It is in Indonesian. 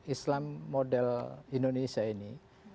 islam model indonesia ini